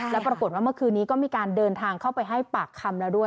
แล้วปรากฏว่าเมื่อคืนนี้ก็มีการเดินทางเข้าไปให้ปากคำแล้วด้วย